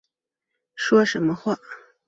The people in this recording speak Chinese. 说什么话